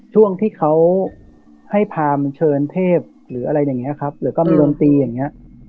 ช่วงที่เขาให้พามันเชิญเทพหรืออะไรอย่างนี้ครับหรือก็มีดนตรีอย่างนี้